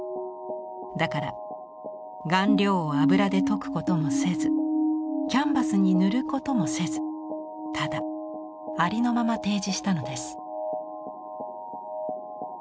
だから顔料を油で溶くこともせずキャンバスに塗ることもせずただありのまま提示したのです。